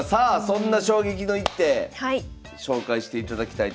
そんな衝撃の一手紹介していただきたいと思います。